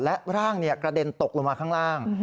และร่างกระเด็นตกลงมาข้างล่าง